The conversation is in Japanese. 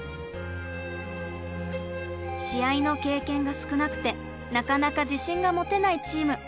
試合の経験が少なくてなかなか自信が持てないチーム。